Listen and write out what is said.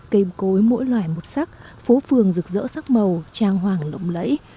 cây cối mỗi loài một sắc phố phường rực rỡ sắc màu trang hoàng lộng lẫy